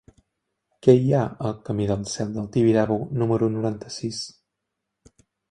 Què hi ha al camí del Cel del Tibidabo número noranta-sis?